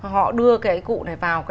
họ đưa cái cụ này vào